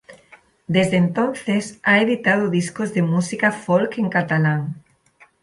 Desde entonces ha editado discos de música folk en catalán.